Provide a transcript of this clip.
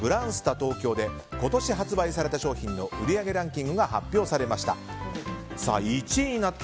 東京で今年発売された商品の売り上げランキングが発表されました。